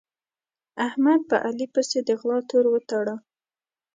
احمد په علي پسې د غلا تور وتاړه.